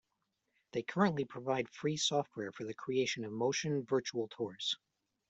They currently provide free software for the creation of motion virtual tours.